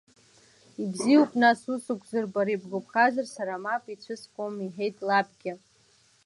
Ибзиоуп нас ус акәзар, бара ибгәаԥхаз сара мап ицәыскуам, — иҳәеит лабгьы.